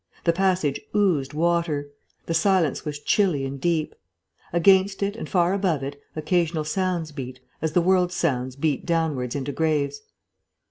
The passage oozed water. The silence was chilly and deep. Against it and far above it, occasional sounds beat, as the world's sounds beat downwards into graves.